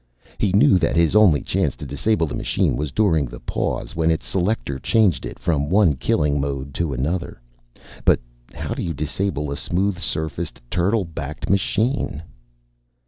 He knew that his only chance to disable the machine was during the pause when its selector changed it from one killing mode to another. But how do you disable a smooth surfaced turtle backed machine?